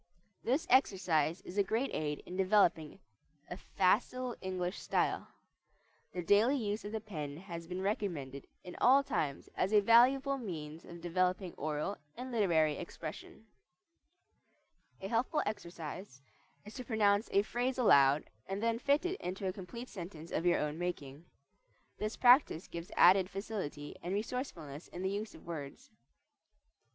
This exercise is a great aid in developing a facile English style. The daily use of the pen has been recommended in all times as a valuable means of developing oral and literary expression. A helpful exercise is to pronounce a phrase aloud and then fit it into a complete sentence of your own making. This practice gives added facility and resourcefulness in the use of words.